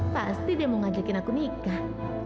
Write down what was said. pasti dia mau ngajakin aku nikah